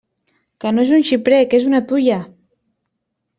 Que no és un xiprer, que és una tuia!